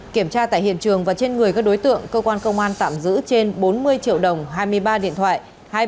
kiểm tra tại hiện trường và trên người các đối tượng cơ quan công an tạm giữ trên bốn mươi triệu đồng hai mươi ba điện thoại